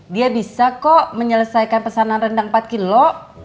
dia bisa kok menyelesaikan pesanan rendang empat kilo